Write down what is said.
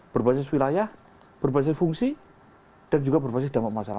berbasis wilayah berbasis fungsi dan juga berbasis dampak masalah